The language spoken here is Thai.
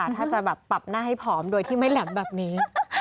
ถ้าจะแบบปรับหน้าให้ผอมโดยที่ไม่แหลมแบบนี้